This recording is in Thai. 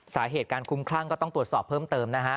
สาเหตุการคุ้มคลั่งก็ต้องตรวจสอบเพิ่มเติมนะฮะ